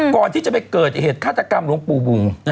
ก่อนที่จะไปเกิดเหตุฆาตกรรมหลวงปู่บุง